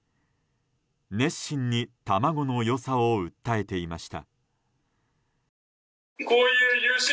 熱心に卵の良さを訴えていました。